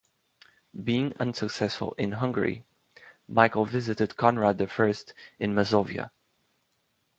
Being unsuccessful in Hungary, Michael visited Konrad I in Masovia.